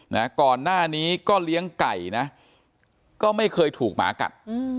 นะก่อนหน้านี้ก็เลี้ยงไก่นะก็ไม่เคยถูกหมากัดอืม